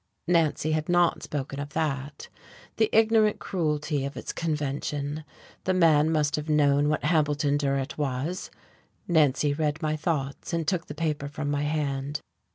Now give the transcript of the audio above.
Nancy had not spoken of that. The ignorant cruelty of its convention! The man must have known what Hambleton Durrett was! Nancy read my thoughts, and took the paper from my hand.